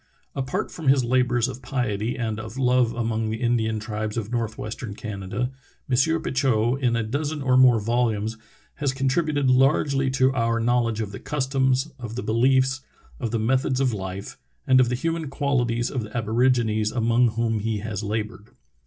Apart from his labors of piety and of love among the Indian tribes of northwestern Canada, M. Petitot, in a dozen or more volumes, has contributed largely to our knowledge of the customs, of the beliefs, of the methods of life, and of the human qualities of the aborigines among whom he has labored.